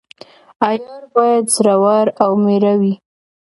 عیار باید زړه ور او میړه وي.